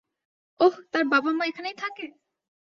ওহ, তার বাবা-মা এখানেই থাকে?